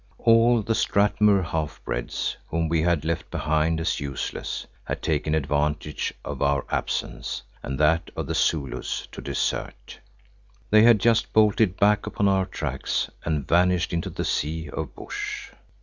All the Strathmuir half breeds whom we had left behind as useless, had taken advantage of our absence and that of the Zulus, to desert. They had just bolted back upon our tracks and vanished into the sea of bush.